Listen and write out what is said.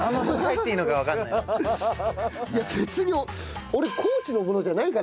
いや別に。